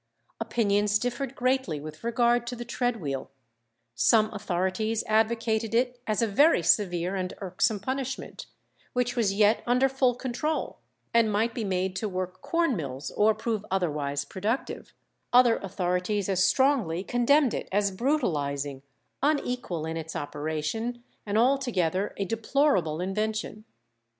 Opinions differed greatly with regard to the tread wheel; some authorities advocated it as a very severe and irksome punishment, which was yet under full control, and might be made to work corn mills or prove otherwise productive; other authorities as strongly condemned it as brutalizing, unequal in its operation, and altogether a "deplorable invention."